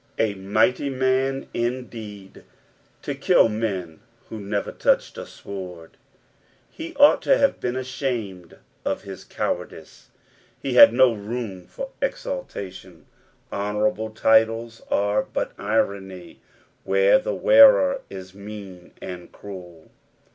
A mighty man indeed to kill men who never t<iuched a sword t He ought to have been ashamed of hia (.'owardice. He had no room for exultation I Honourable titlea are but irony where the wearer is meHn and cruel.